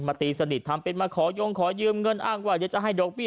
ตีสนิททำเป็นมาขอยงขอยืมเงินอ้างว่าเดี๋ยวจะให้ดอกเบี้